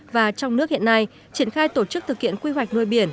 và trong nước hiện nay triển khai tổ chức thực hiện quy hoạch nuôi biển